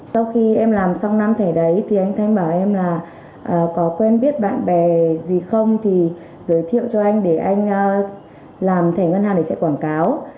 sau khi em làm xong năm thẻ đấy thì anh thanh bảo em là có quen biết bạn bè gì không thì giới thiệu cho anh để anh làm thẻ ngân hàng để chạy quảng cáo